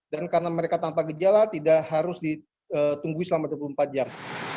dan karena mereka tanpa gejala tidak harus ditunggu selama dua puluh empat jam